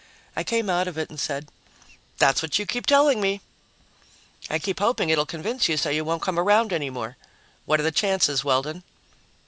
I came out of it and said, "That's what you keep telling me." "I keep hoping it'll convince you so you won't come around any more. What are the chances, Weldon?"